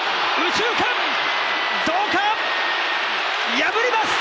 破ります！